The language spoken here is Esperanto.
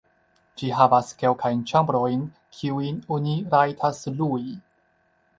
Ĝi havas kelkajn ĉambrojn, kiujn oni rajtas lui.